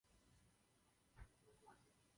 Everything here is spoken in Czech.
Nezapomínejme na metanol a celulózu!